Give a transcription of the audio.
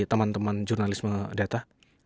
teman teman jurnalisme data